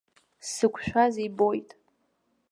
Сзықәшәаз ибоит.